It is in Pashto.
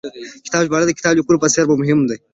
د کتاب ژباړه، د کتاب د لیکلو په څېر مهمه ده